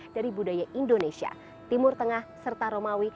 dari budaya indonesia timur tengah serta romawi